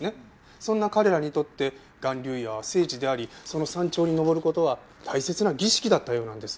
そんな彼らにとって巌流岩は聖地でありその山頂に登る事は大切な儀式だったようなんです。